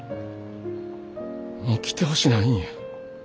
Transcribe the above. もう来てほしないんや。